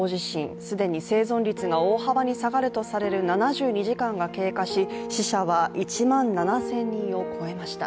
既に生存率が大幅に下がるとされる７２時間が経過し、死者は１万７０００人を超えました。